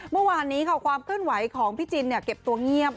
เมื่อวานนี้ค่ะความเคลื่อนไหวของพี่จินเก็บตัวเงียบ